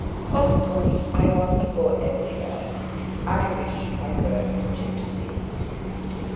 "Of course I want to go everywhere. I wish I were a gipsy."